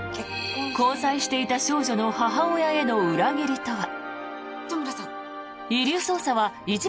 交際していた少女の母親への裏切りとは。